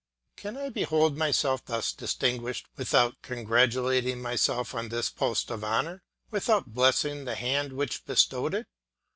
Can I behold myself thus distinguished without congratulating myself on this post of honour, without blessing the hand which bestowed it?